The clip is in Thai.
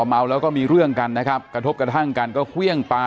เมาแล้วก็มีเรื่องกันนะครับกระทบกระทั่งกันก็เครื่องปลา